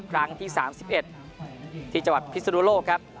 กลางที่สามสิบเอ็ดที่จังหวัดพิษฎุโลกครับ